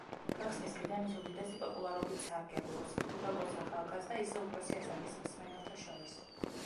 გახსნის დღიდან ის უდიდესი პოპულარობით სარგებლობს როგორც ახალგაზრდა, ისე უფროსი ასაკის მსმენელთა შორის.